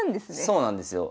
そうなんですよ。